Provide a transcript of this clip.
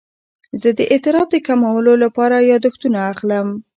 زه د اضطراب د کمولو لپاره یاداښتونه اخلم.